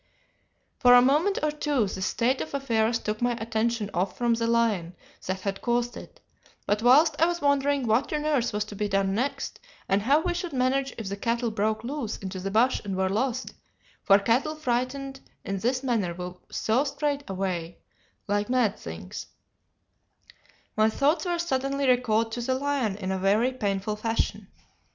"For a moment or two this state of affairs took my attention off from the lion that had caused it, but whilst I was wondering what on earth was to be done next, and how we should manage if the cattle broke loose into the bush and were lost for cattle frightened in this manner will so straight away like mad things my thoughts were suddenly recalled to the lion in a very painful fashion.